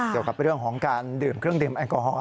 เกี่ยวกับเรื่องของการดื่มเครื่องดื่มแอลกอฮอล